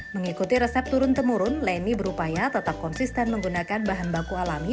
mengikuti resep turun temurun leni berupaya tetap konsisten menggunakan bahan baku alami